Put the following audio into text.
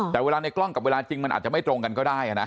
แต่เวลาในกล้องกับเวลาจริงมันอาจจะไม่ตรงกันก็ได้นะ